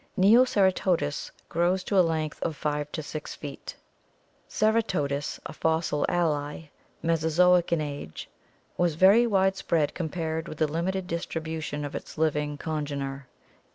Neoceratodus grows to a length of 5 to 6 feet. Ceratodus, a fossil ally, Mesozoic in age, was very wide spread compared with the limited distribution of its living congener.